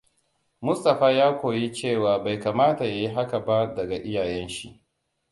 Mustapha ya koyi cewa bai kamata yayi haka ba daga iyayen shi.